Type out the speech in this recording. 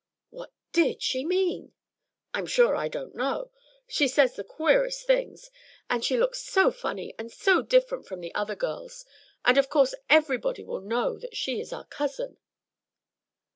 "What did she mean?" "I'm sure I don't know. She says the queerest things. And she looks so funny and so different from the other girls; and of course everybody will know that she is our cousin."